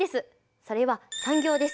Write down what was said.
それは産業です。